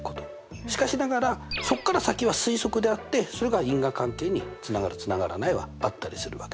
しかしながらそこから先は推測であってそれが因果関係につながるつながらないはあったりするわけ。